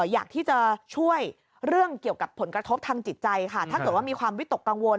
อยากที่จะช่วยเรื่องเกี่ยวกับผลกระทบทางจิตใจค่ะถ้าเกิดว่ามีความวิตกกังวล